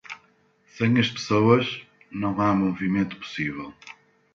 Sem as pessoas, não há movimento possível.